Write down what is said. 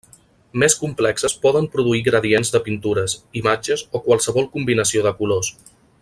Més complexes poden produir gradients de pintures, imatges, o qualsevol combinació de colors.